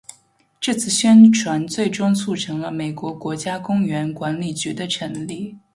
这次宣传最终促成了美国国家公园管理局的成立。